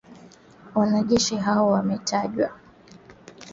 Wanajeshi hao wametajwa kuwa ni Jean Pierre Habyarimana mwenye namba za usajili na